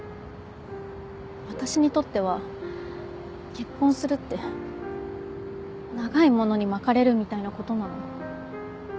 私にとっては結婚するって長いものに巻かれるみたいなことなの。